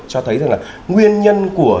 cho thấy rằng là nguyên nhân của